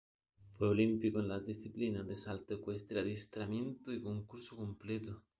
Fue olímpico en las disciplinas de salto ecuestre, adiestramiento y concurso completo.